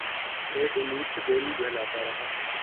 ایک امید سے دل بہلتا رہا